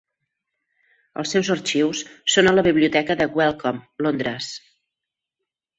Els seus arxius són a la Biblioteca de Wellcome, Londres.